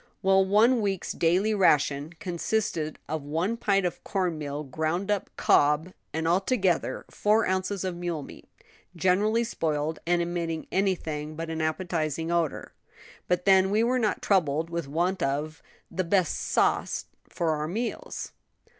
"Well, one week's daily ration consisted of one pint of corn meal ground up cob and all together, four ounces of mule meat, generally spoiled and emitting anything but an appetizing odor; but then we were not troubled with want of the best of sauce for our meals."